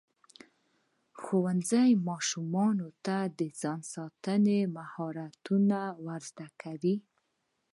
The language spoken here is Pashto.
ښوونځی ماشومانو ته د ځان ساتنې مهارتونه ورزده کوي.